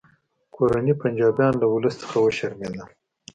کورني پنجابیان له ولس څخه وشرمیدل